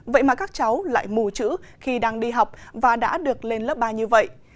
vậy mà các cháu lại mù chữ khi đang đi học và đã được lên lớp ba như vậy